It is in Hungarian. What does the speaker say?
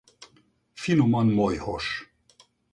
Finoman molyhos.